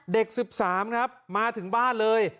เด็ก๑๓มาถึงบ้านเลย